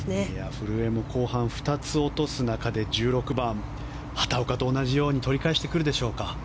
古江も後半２つ落とす中で１６番、畑岡と同じように取り返してくるでしょうか。